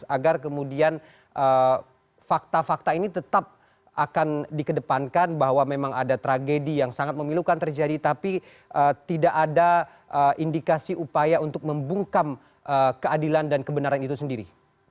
agar kemudian fakta fakta ini tetap akan dikedepankan bahwa memang ada tragedi yang sangat memilukan terjadi tapi tidak ada indikasi upaya untuk membungkam keadilan dan kebenaran itu sendiri